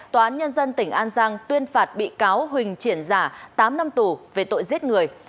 tòa án nhân dân tỉnh an giang tuyên phạt bị cáo huỳnh triển giả tám năm tù về tội giết người